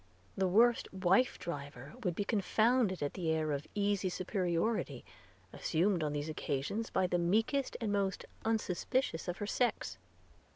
The worst wife driver would be confounded at the air of easy superiority assumed on these occasions by the meekest and most unsuspicious of her sex.